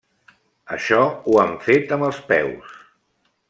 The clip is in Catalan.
Això ho han fet amb els peus.